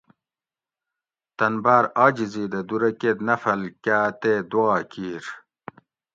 تن باۤر عاجزی دہ دو رکیت نفل کاۤ تے دُعا کِیر